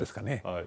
はい。